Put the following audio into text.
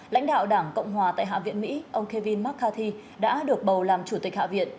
lãnh đạo đảng cộng hòa tại hạ viện mỹ ông kevin mccarthy đã được bầu làm chủ tịch hạ viện